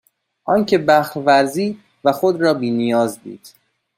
آنکه بخل ورزید و خود را بینیاز دید